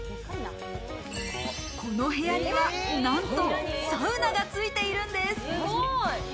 この部屋にはなんとサウナがついているんです。